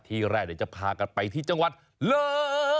ที่แรกเดี๋ยวจะพากันไปที่จังหวัดเลย